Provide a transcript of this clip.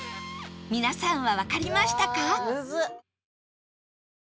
皆さんはわかりましたか？